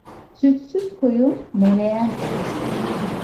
Sütsüz koyun meleğen olur.